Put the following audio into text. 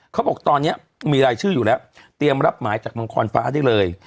เขาบอกตอนนี้มีรายชื่ออยู่แล้วเตรียมรับหมายจากมังกรฟ้าได้เลย